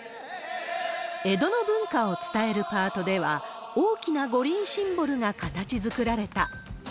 江戸の文化を伝えるパートでは、大きな五輪シンボルが形づくられた。